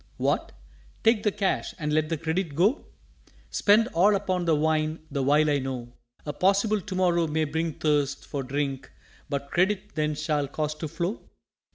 _" "What! take the Cash and let the Credit go? Spend all upon the Wine the while I know A possible To morrow may bring thirst For Drink but Credit then shall cause to flow?"